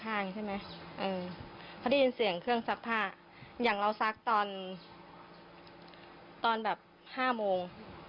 เขาได้ยินเสียงเครื่องซักผ้าอย่างเราซักตอนตอนแบบห้าโมง